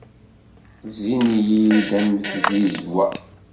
Zzin-iyi-d am tzizwa.